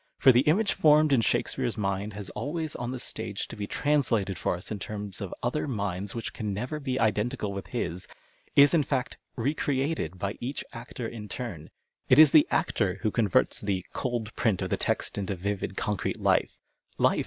For the image formed in Shakespeare's mind has always on the stage to be translated for us in terms of other minds which can never be identical with his — is, in fact, " re created " by each actor in turn. It is the actor who converts the " cold print " of the text into vivid, concrete life. Life